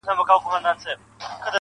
زموږ د كلي څخه ربه ښكلا كډه كړې~